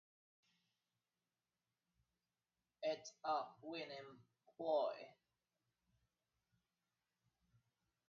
It's a winning ploy.